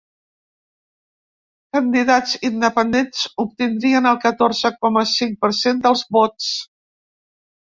Candidats independents obtindrien el catorze coma cinc per cent dels vots.